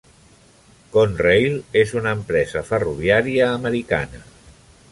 Conrail és una empresa ferroviària americana.